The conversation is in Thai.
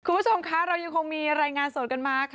คุณผู้ชมคะเรายังคงมีรายงานสดกันมาค่ะ